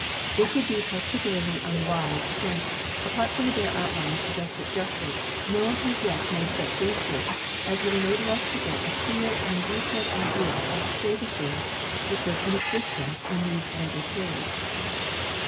It would be particularly unwise since, apart from the bare outlines just suggested, no one has yet made such research as would enable us to get a clear and detailed idea of the state of things which was in existence in these later periods.